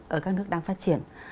ở các nước đang phát triển